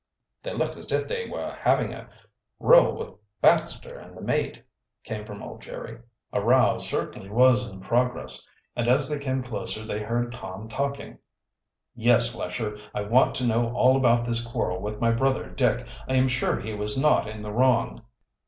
"They look as if they were having a row with Baxter and the mate," came from old Jerry. A row certainly was in progress, and as they came closer they heard Tom talking. "Yes, Lesher, I want to know all about this quarrel with my brother Dick. I am sure he was not in the wrong."